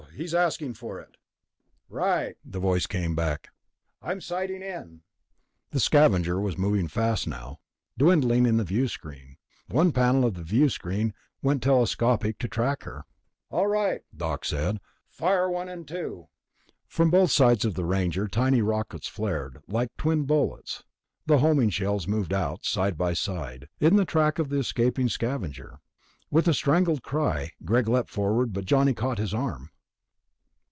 He's asking for it." "Right," the voice came back. "I'm sighting in." The Scavenger was moving fast now, dwindling in the viewscreen. One panel of the screen went telescopic to track her. "All right," Doc said. "Fire one and two." From both sides of the Ranger, tiny rockets flared. Like twin bullets the homing shells moved out, side by side, in the track of the escaping Scavenger. With a strangled cry, Greg leaped forward, but Johnny caught his arm.